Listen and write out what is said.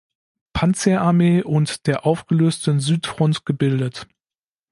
Panzerarmee und der aufgelösten Südfront gebildet.